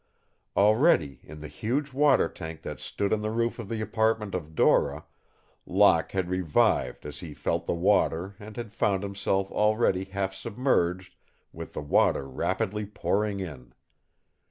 Already, in the huge water tank that stood on the roof of the apartment of Dora, Locke had revived as he felt the water and had found himself already half submerged, with the water rapidly pouring in.